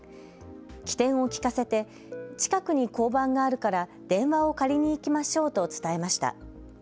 機転を利かせて近くに交番があるから電話を借りに行きましょうと伝えました。